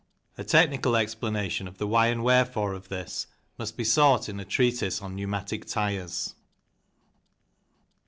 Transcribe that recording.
A technical explanation of the why and wherefore of this must be sought in theoretical treatises on pneumatic tyres.